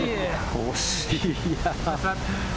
惜しいな。